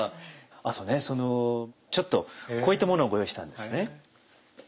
あとねそのちょっとこういったものをご用意したんですね。